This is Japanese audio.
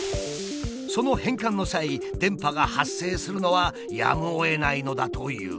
その変換の際電波が発生するのはやむをえないのだという。